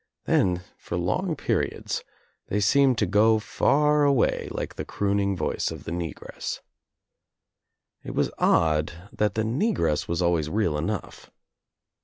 Then for long periods they seemed to go far away like the crooning voice of the negress. It was odd that the negress was always real enough.